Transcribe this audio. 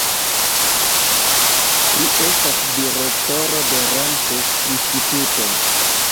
Li estas direktoro de Ramses-instituto.